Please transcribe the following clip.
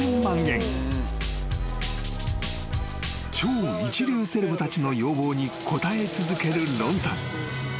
［超一流セレブたちの要望に応え続けるロンさん］